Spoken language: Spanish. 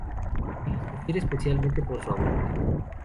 Se les prefiere especialmente por su aguante.